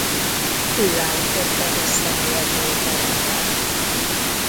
Ő állította vissza a jezsuita rendet.